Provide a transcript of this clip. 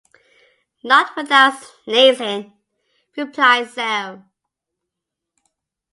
‘Not without sneezing,’ replied Sam.